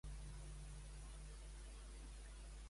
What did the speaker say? On creu que es trobava la font, Pausànies?